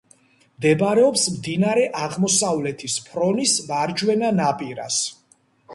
მდებარეობს მდინარე აღმოსავლეთის ფრონის მარჯვენა ნაპირას.